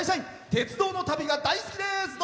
鉄道の旅が大好きです。